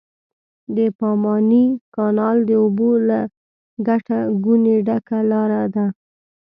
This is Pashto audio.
د پاماني کانال د اوبو له ګټه ګونې ډکه لاره ده.